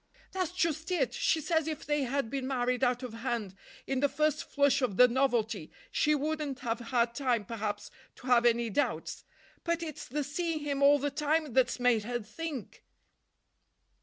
"That's just it. She says if they had been married out of hand, in the first flush of the novelty, she wouldn't have had time, perhaps, to have any doubts. But it's the seeing him all the time that's made her think."